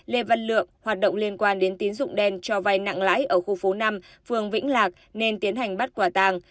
lê văn lượng hoạt động liên quan đến tín dụng đen cho vai nặng lãi ở khu phố năm phường vĩnh lạc nên tiến hành bắt quả tàng